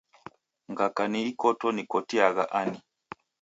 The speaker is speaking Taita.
Ngaka ni ikoto nikotiagha ani?